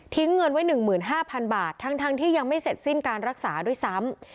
เงินไว้๑๕๐๐๐บาททั้งที่ยังไม่เสร็จสิ้นการรักษาด้วยซ้ำ